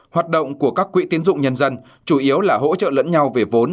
hoạt động của các quỹ tiến dụng nhân dân chủ yếu là hỗ trợ lẫn nhau về vốn